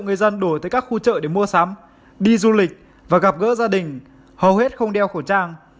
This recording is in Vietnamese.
người dân đổ tới các khu chợ để mua sắm đi du lịch và gặp gỡ gia đình hầu hết không đeo khẩu trang